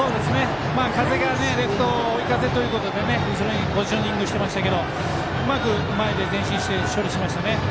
風がレフト追い風ということで後ろにポジショニングしてましたけどうまく前で前進して処理しましたね。